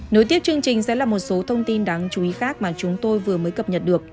nối tiếp chương trình sẽ là một số thông tin đáng chú ý khác mà chúng tôi vừa mới cập nhật được